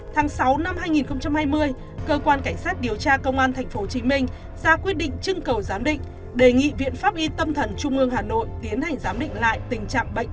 tháng sáu năm hai nghìn hai mươi cơ quan cảnh sát điều tra công an tp hcm ra quyết định trưng cầu giám định đề nghị viện pháp y tâm thần trung ương hà nội tiến hành giám định lại tình trạng bệnh